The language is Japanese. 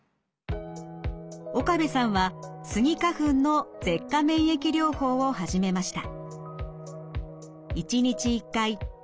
岡部さんはスギ花粉の舌下免疫療法を始めました。